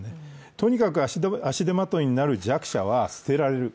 とにかく足手まといになる弱者は捨てられる。